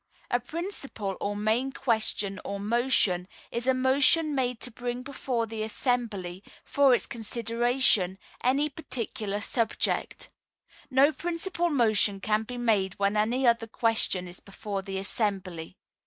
A Principal or Main Question or Motion, is a motion made to bring before the assembly, for its consideration, any particular subject. No Principal Motion can be made when any other question is before the assembly.